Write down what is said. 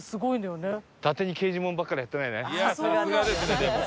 いやあさすがですねでも。